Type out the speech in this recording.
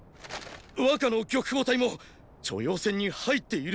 若の玉鳳隊も著雍戦に入っていると。